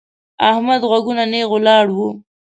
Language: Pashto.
احمد غوږونه نېغ ولاړ وو.